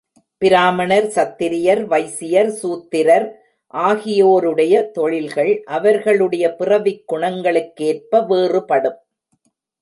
பிராமணர், சத்திரியர், வைசியர், சூத்திரர் ஆகியோருடைய தொழில்கள் அவர்களுடைய பிறவிக் குணங்களுக்கேற்ப வேறுபடும்.